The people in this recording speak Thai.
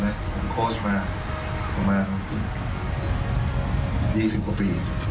ผมโค้ชมาประมาณ๒๐กว่าปี